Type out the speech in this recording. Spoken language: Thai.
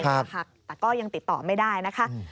นะคะแต่ก็ยังติดต่อไม่ได้นะคะ